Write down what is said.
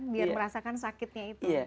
biar merasakan sakitnya itu